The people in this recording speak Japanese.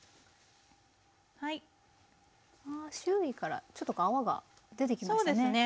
周囲からちょっと泡が出てきましたね。